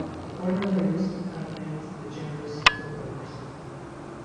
The corner names are named the genres of the corners.